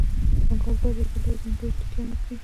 پانګوال باید یو بل ډول ځانګړی توکی هم وپېري